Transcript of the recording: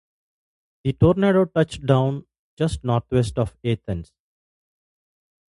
The tornado touched down just northwest of Athens.